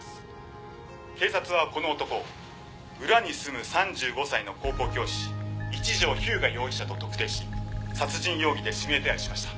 「警察はこの男を裏に住む３５歳の高校教師一条彪牙容疑者と特定し殺人容疑で指名手配しました」